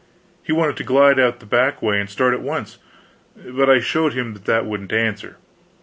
He wanted to glide out the back way and start at once; but I showed him that that wouldn't answer.